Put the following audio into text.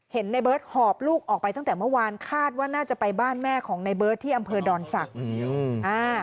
ในเบิร์ตหอบลูกออกไปตั้งแต่เมื่อวานคาดว่าน่าจะไปบ้านแม่ของในเบิร์ตที่อำเภอดอนศักดิ์